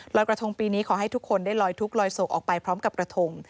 กระทงปีนี้ขอให้ทุกคนได้ลอยทุกข์ลอยโศกออกไปพร้อมกับกระทง